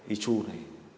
y chu này